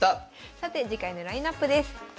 さて次回のラインナップです。